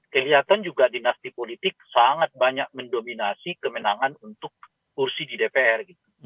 kelihatan juga dinasti politik sangat banyak mendominasi kemenangan untuk kursi di dpr